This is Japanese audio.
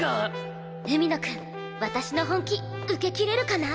海野くん私の本気受けきれるかな？